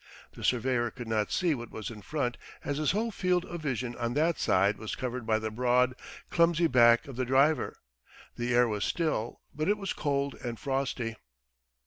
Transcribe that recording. The surveyor could not see what was in front as his whole field of vision on that side was covered by the broad clumsy back of the driver. The air was still, but it was cold and frosty.